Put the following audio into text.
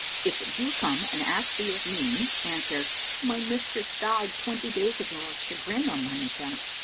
If the Jew come and ask thee of me, answer, 'My mistress died twenty days ago of chagrin on thine account.'